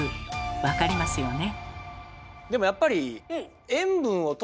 分かりますよね？